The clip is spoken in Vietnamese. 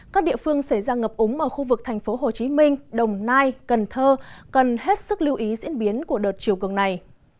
các địa phương xảy ra ngập úng ở khu vực thành phố hồ chí minh đồng nai cần thơ cần hết sức lưu ý diễn biến của đợt chiều cường này